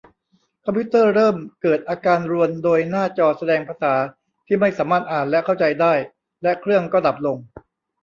คอมพิวเตอร์เริ่มเกิดอาการรวนโดยหน้าจอแสดงภาษาที่ไม่สามารถอ่านและเข้าใจได้ และเครื่องก็ดับลง